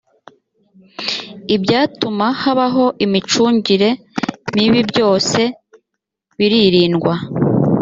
ibyatuma habaho imicungire mibibyose biririndwa